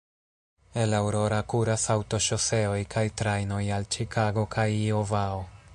El Aurora kuras aŭtoŝoseoj kaj trajnoj al Ĉikago kaj Iovao.